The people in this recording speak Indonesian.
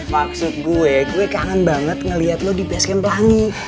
maksud gue gue kangen banget ngeliat lo di basket pelangi